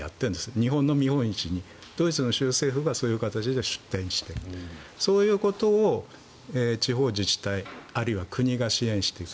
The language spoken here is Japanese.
日本の見本市にドイツの州政府がそういう形で出展してそういうことを地方自治体あるいは国が支援していく。